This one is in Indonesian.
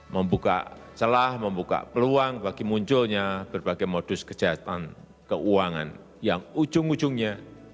membuka celah membuka peluang bagi munculnya berbagai modus kejahatan keuangan yang ujung ujungnya